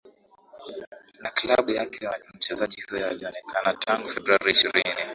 na klabu yake mchezaji huyo hajaonekana tangu februari ishirini